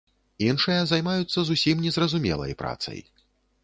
Іншыя займаюцца зусім незразумелай працай.